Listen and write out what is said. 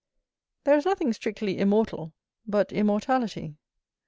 There is nothing strictly immortal, but immortality.